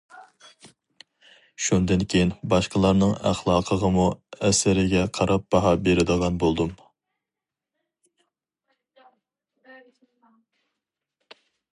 شۇندىن كېيىن باشقىلارنىڭ ئەخلاقىغىمۇ ئەسىرىگە قاراپ باھا بېرىدىغان بولدۇم.